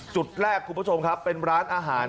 จุดแรกคุณผู้ชมครับเป็นร้านอาหาร